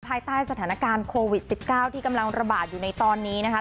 ภายใต้สถานการณ์โควิด๑๙ที่กำลังระบาดอยู่ในตอนนี้นะคะ